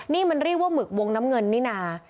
นี่มันเรียกว่าหมึกวงน้ำเงินนี่นา